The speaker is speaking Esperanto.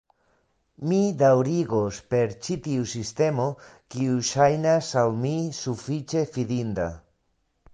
Mi daŭrigos per ĉi tiu sistemo, kiu ŝajnas al mi sufiĉe fidinda.